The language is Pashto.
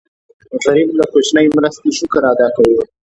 غریب له کوچنۍ مرستې شکر ادا کوي